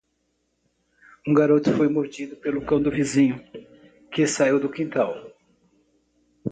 Um garoto foi mordido pelo cão do vizinho, que saiu do quintal.